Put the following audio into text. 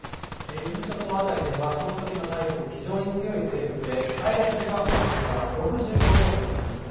伊豆諸島辺りではそのときの台風、非常に強い勢力で、最大瞬間風速が６５メートルの予想。